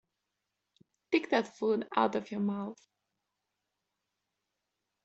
Take that food out of your mouth.